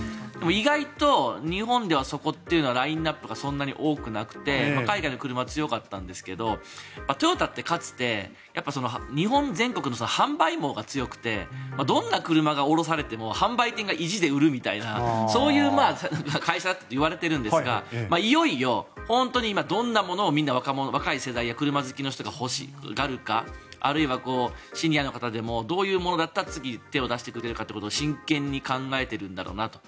意外と日本ではそこというのはラインアップがそんなに多くなくて海外の車が強かったんですがトヨタってかつて日本全国の販売網が強くてどんな車が卸されても販売店が維持で売るみたいなそういう会社だといわれているんですがいよいよ本当に今、どんなものを若い世代や車好きの人が欲しがるかあるいはシニアの方でもどういうものだったら次、手を出してくれるかというのを真剣に考えているんだなと。